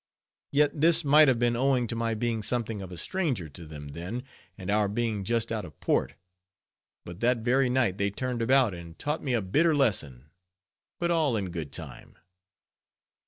Yet this might have been owing to my being something of a stranger to them, then; and our being just out of port. But that very night they turned about, and taught me a bitter lesson; but all in good time.